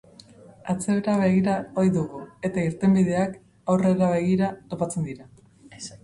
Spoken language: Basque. Atzera begiratu ohi dugu eta irtenbideak, aurrera begira topatzen dira.